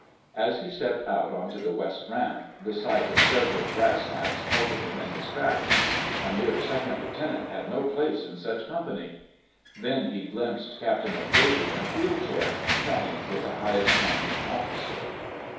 As he stepped out onto the west ramp, the sight of several "brass hats" halted him in his tracks. A mere second lieutenant had no place in such company! Then he glimpsed Captain O'Grady in a wheelchair, chatting with the highest ranking officer.